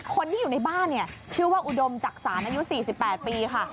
คนที่อยู่ในบ้านเนี่ยชื่อว่าอุดมจักษานอายุ๔๘ปีค่ะ